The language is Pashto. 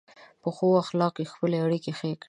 په ښو اخلاقو خپلې اړیکې ښې کړئ.